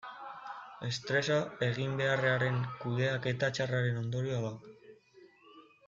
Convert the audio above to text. Estresa eginbeharraren kudeaketa txarraren ondorioa da.